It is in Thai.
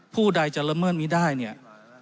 ผู้ใดจะละเมิดไม่ได้เนี่ย